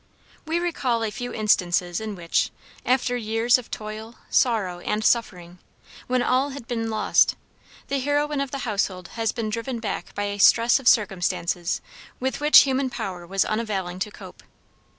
We recall a few instances in which, after years of toil, sorrow, and suffering when all had been lost, the heroine of the household has been driven back by a stress of circumstances with which human power was unavailing to cope.